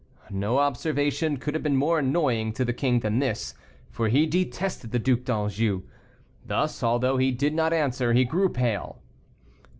No observation could have been more annoying to the king than this, for he detested the Duc d'Anjou. Thus, although he did not answer, he grew pale.